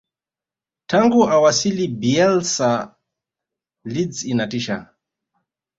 tangu awasili bielsa leeds inatisha